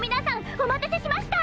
おまたせしました！